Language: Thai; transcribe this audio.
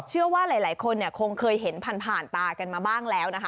เชื่อว่าหลายคนคงเคยเห็นผ่านตากันมาบ้างแล้วนะคะ